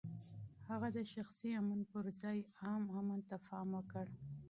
هغه د شخصي امن پر ځای عام امن ته پام وکړ.